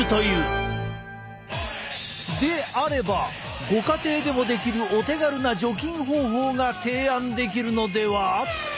であればご家庭でもできるお手軽な除菌方法が提案できるのでは？